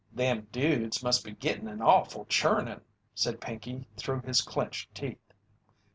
"Them dudes must be gittin' an awful churnin'," said Pinkey through his clenched teeth.